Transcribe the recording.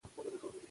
ښه خواوې سړوئ.